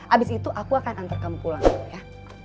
abis itu aku akan antar kamu pulang ya